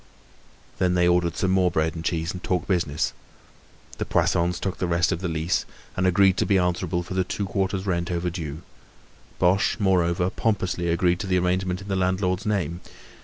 Then they ordered some more bread and cheese and talked business. The Poissons took the rest of the lease and agreed to be answerable for the two quarters' rent overdue. Boche, moreover, pompously agreed to the arrangement in the landlord's name.